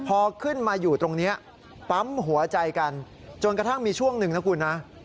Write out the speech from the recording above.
พอขึ้นมาอยู่ตรงนี้ปั๊มหัวใจกันจนกระทั่งมีช่วงหนึ่งนะคุณนะ